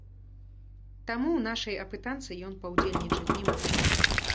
Таму ў нашай апытанцы ён паўдзельнічаць не можа.